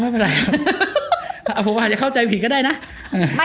ไม่เป็นไรครับผมอาจจะเข้าใจผิดก็ได้นะ